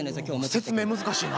説明難しいな。